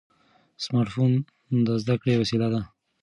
سمارټ فون د زده کړې وسیله ده.